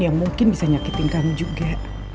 yang mungkin bisa nyakitin kami juga